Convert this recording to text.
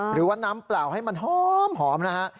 หรือว่าน้ำเปล่าให้มันหอมนะฮะ